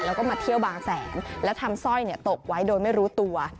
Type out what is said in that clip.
แล้วก็มาเที่ยวบางแสนแล้วทำสร้อยตกไว้โดยไม่รู้ตัว